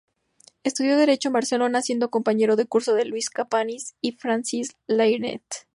Estudió derecho en Barcelona, siendo compañero de curso de Lluís Companys y Francesc Layret.